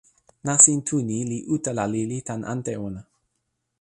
nasin tu ni li utala lili tan ante ona.